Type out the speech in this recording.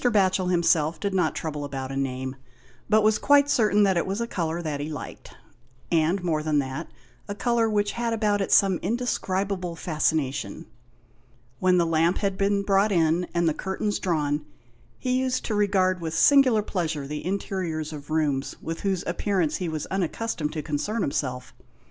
Batchel himself did not trouble about a name, but was quite certain that it was a colour that he liked; and more than that, a colour which had about it some indescribable fascination. When the lamp had been brought in, and the curtains drawn, he used to regard with singular pleasure the interiors of rooms with whose appearance he was unaccustomed to concern himself.